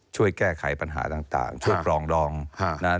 ช่วยแก้ไขปัญหาต่างช่วยปรองดองนะครับ